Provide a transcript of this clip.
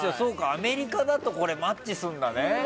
アメリカだとマッチするんだね。